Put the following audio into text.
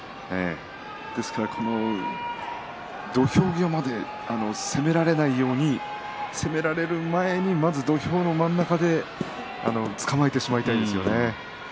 ですから土俵際まで攻められないように攻められる前にまず土俵の真ん中でつかまえてしまいたいですよね。